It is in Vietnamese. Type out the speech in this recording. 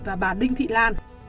và bà đinh thị lan